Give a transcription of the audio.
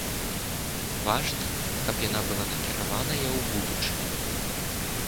Важна, каб яна была накіраваная ў будучыню.